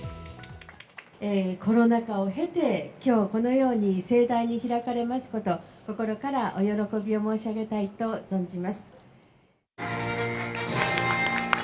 コロナ禍を経て、きょう、このように盛大に開かれますこと、心からお喜びを申し上げたいと存じます。